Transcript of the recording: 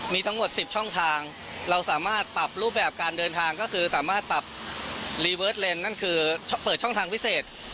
มีทั้งหมด๑๐ช่องทางเราสามารถปรับรูปแบบการเดินทางก็คือสามารถปรับรีเวิร์ดเลนส์นั่นคือเปิดช่องทางพิเศษ